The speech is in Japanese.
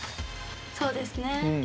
そうですね。